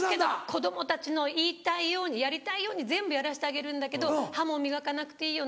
子供たちの言いたいようにやりたいように全部やらせてあげるんだけど「歯も磨かなくていいよ。